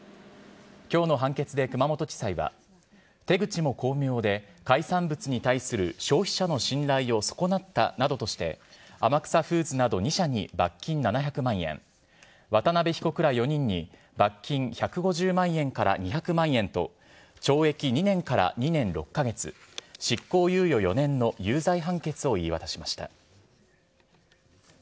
きょうの判決で熊本地裁は、手口も巧妙で、海産物に対する消費者の信頼を損なったなどとして、天草フーズなど２社に罰金７００万円、渡邉被告ら４人に罰金１５０万円から２００万円と、懲役２年から２年６か月、執行猶予４年の有罪判決を言い渡しました。